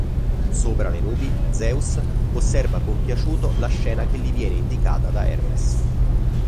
Sopra le nubi, Zeus osserva compiaciuto la scena che gli viene indicata da Hermes.